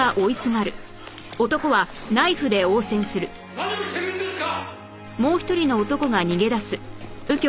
何をしてるんですか！